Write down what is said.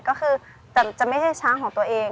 ก็คือแต่จะไม่ใช่ช้างของตัวเอง